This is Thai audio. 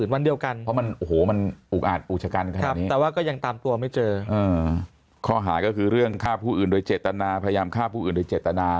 วันเดียวกันเพราะมันโอ้โหมันอุอาจอุชกันครับแต่ว่าก็ยังตามตัวไม่เจอข้อหาก็คือเรื่องฆ่าผู้อื่นโดยเจตนาพยายามฆ่าผู้อื่นโดยเจตนา